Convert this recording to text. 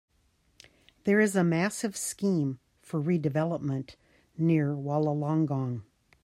There is a massive scheme for redevelopment near Wollongong.